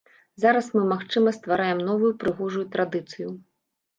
Зараз мы, магчыма, ствараем новую прыгожую традыцыю.